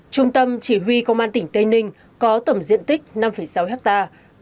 trung tâm chỉ huy công an tỉnh tây ninh có tầm diện tích năm sáu hectare